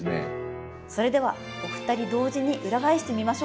それではお二人同時に裏返してみましょう。